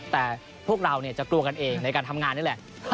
แต่พวกเราจะกลัวกันเองในการทำงานนี่แหละ